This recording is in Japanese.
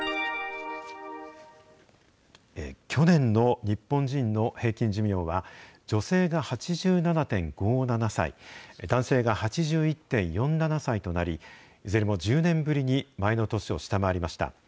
去年の日本人の平均寿命は、女性が８７．５７歳、男性が８１．４７歳となり、いずれも１０年ぶりに前の年を下回りました。